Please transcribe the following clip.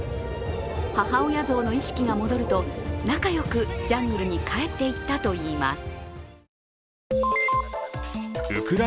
母親ゾウの意識が戻ると仲良くジャングルに帰っていったといいます。